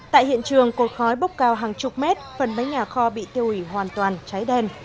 tại hiện trường cột khói bốc cao hàng chục mét phần mái nhà kho bị tiêu hủy hoàn toàn cháy đen